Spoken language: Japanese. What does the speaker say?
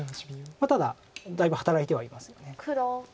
ただだいぶ働いてはいますよね。